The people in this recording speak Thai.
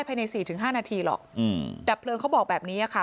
ภายในสี่ถึงห้านาทีหรอกอืมดับเพลิงเขาบอกแบบนี้ค่ะ